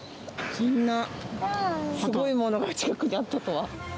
そんなすごいものが近くにあったとは。